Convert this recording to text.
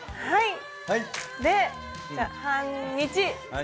はい。